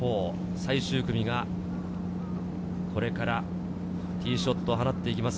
最終組がこれからティーショットを放っていきます。